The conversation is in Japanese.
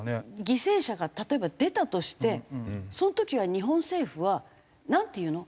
犠牲者が例えば出たとしてその時は日本政府はなんて言うの？